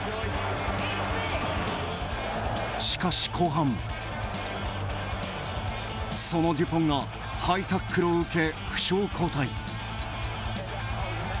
しかし後半、そのデュポンがハイタックルを受け負傷交代。